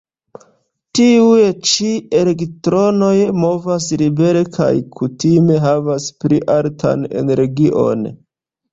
Tiuj ĉi elektronoj movas libere kaj kutime havas pli altan energion.